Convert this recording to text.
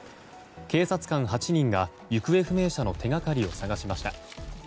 警察官８人が行方不明者の手掛かりを探しました。